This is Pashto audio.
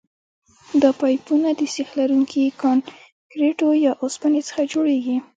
دا پایپونه د سیخ لرونکي کانکریټو یا اوسپنې څخه جوړیږي